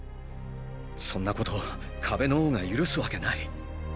そんなことを壁の王が許すわけない。